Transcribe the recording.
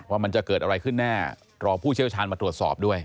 ว่าจะเกิดอะไรขึ้นแน่รอผู้เชี่ยวชาญมาตรวจสอบด้วย